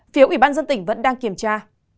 phiếu ubnd tỉnh vẫn đang kiểm tra